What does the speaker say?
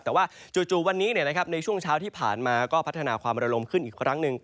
แต่ว่าจู่วันนี้ในช่วงเช้าที่ผ่านมาก็พัฒนาความระลมขึ้นอีกครั้งหนึ่ง